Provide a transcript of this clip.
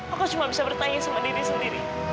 aku cuma bisa bertanya sama diri sendiri